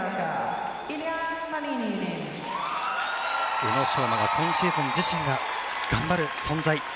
宇野昌磨が今シーズン自身が頑張る存在。